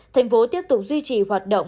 tp hcm tiếp tục duy trì hoạt động